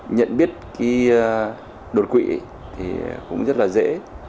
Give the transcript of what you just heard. nhận biết đột quỵ cũng rất dễ